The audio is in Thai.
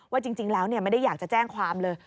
จริงแล้วไม่ได้อยากจะแจ้งความเลย